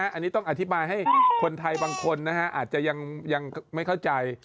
อันนี้ต้องอธิบายให้คนไทยบางคนอาจจะยังไม่เข้าใจ